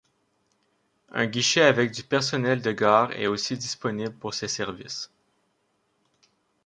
Un guichet avec du personnel de gare est aussi disponible pour ces services.